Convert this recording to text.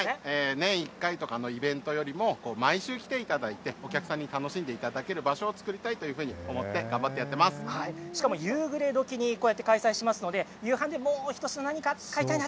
年１回とかのイベントよりも毎週来ていただいてお客さんに楽しんでいただける場所をつくりたいと思ってしかも夕暮れどきに開催しますので夕飯で、もう一品何が買いたいな。